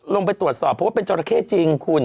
ลงไปตรวจสอบเพราะว่าเป็นจราเข้จริงคุณ